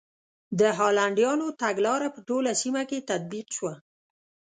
د هالنډیانو تګلاره په ټوله سیمه کې تطبیق شوه.